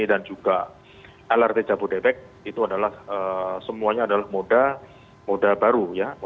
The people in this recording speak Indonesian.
dan juga lrt jabodetek itu adalah semuanya adalah moda moda baru ya